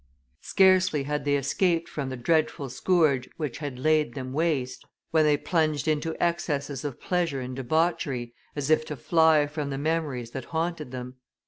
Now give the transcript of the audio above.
Scarcely had they escaped from the dreadful scourge which had laid them waste, when they plunged into excesses of pleasure and debauchery, as if to fly from the memories that haunted them.